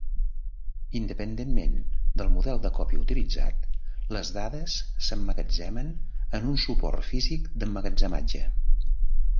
Independentment del model de còpia utilitzat, les dades s’emmagatzemen en un suport físic d’emmagatzematge.